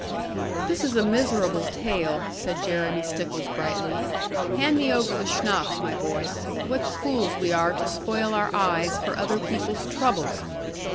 'This is a miserable tale,' said Jeremy Stickles brightly; 'hand me over the schnapps, my boy. What fools we are to spoil our eyes for other people's troubles!